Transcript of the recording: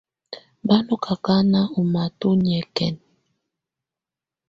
Bá nɔ́ ákáná ɔ́ matɔ̀á ɔ́ nyɛ́kɛna.